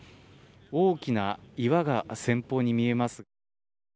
大きな岩が先方に見えます。